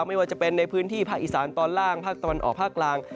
ไม่ว่าจะเป็นในพื้นที่ภาคอีสานตอนล่างภาคตะวันออกภาคกลาง